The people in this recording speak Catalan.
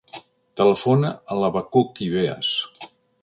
Telefona a l'Habacuc Ibeas.